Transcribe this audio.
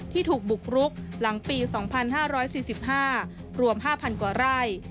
ถูกบุกรุกหลังปี๒๕๔๕รวม๕๐๐กว่าไร่